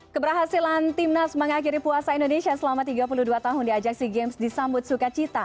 keberhasilan timnas mengakhiri puasa indonesia selama tiga puluh dua tahun di ajaxi games disambut suka cita